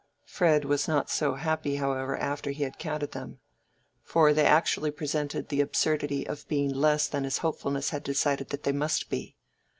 Fred was not so happy, however, after he had counted them. For they actually presented the absurdity of being less than his hopefulness had decided that they must be.